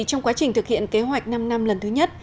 trong quá trình thực hiện kế hoạch năm năm lần thứ nhất